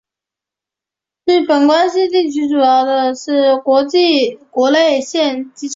日本关西地区的主要国内线机场。